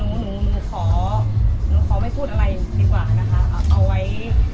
แต่นี่นี่ดีกว่าหนูหนูขอดีกว่านะคะเอาไว้